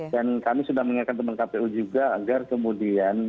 dan kami sudah mengingatkan teman kpu juga agar kemudian